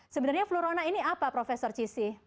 sebenarnya flu rona ini apa prof cissy